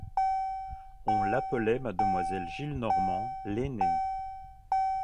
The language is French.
On l’appelait mademoiselle Gillenormand l’aînée.